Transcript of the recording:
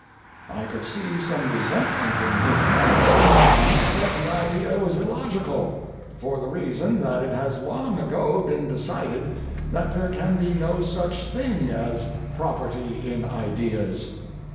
I could see some resentment in his manner, and he said the idea was illogical, for the reason that it has long ago been decided that there can be no such thing as property in ideas.